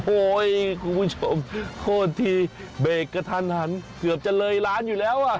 โอ้โหคุณผู้ชมโทษทีเบรกกระทันหันเกือบจะเลยร้านอยู่แล้วอ่ะ